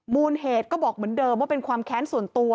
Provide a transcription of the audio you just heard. มูลเหตุก็บอกเหมือนเดิมว่าเป็นความแค้นส่วนตัว